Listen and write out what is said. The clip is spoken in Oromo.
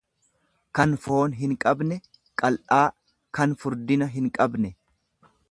kan foon hinqabne, qal'aa. kan furdina hinqabne.